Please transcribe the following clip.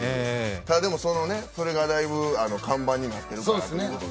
ただでもそれがだいぶ看板になっているからということで。